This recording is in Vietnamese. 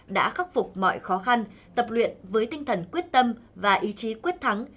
đã khắc phục mọi khó khăn tập luyện với tinh thần quyết tâm và ý chí quyết thắng